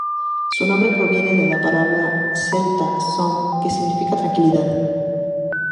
Su nombre proviene de la palabra celta "Somme", que significa "tranquilidad".